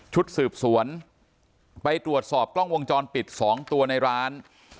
ชุดสืบสวนไปตรวจสอบกล้องวงจรปิด๒ตัวในร้าน